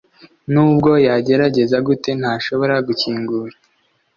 nubwo yagerageza gute, ntashobora gukingura